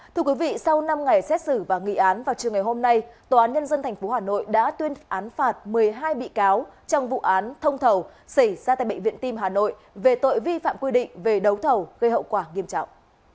thưa quý vị sau năm ngày xét xử và nghị án vào chiều ngày hôm nay tòa án nhân dân tp hà nội đã tuyên án phạt một mươi hai bị cáo trong vụ án thông thầu xảy ra tại bệnh viện tim hà nội về tội vi phạm quy định về đấu thầu gây hậu quả nghiêm trọng